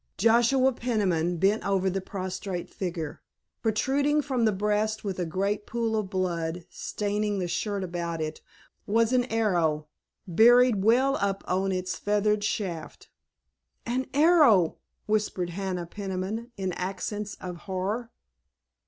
Joshua Peniman bent over the prostrate figure. Protruding from the breast, with a great pool of blood staining the shirt about it, was an arrow, buried well up on its feathered shaft. "An arrow!" whispered Hannah Peniman in accents of horror.